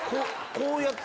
こうやってた。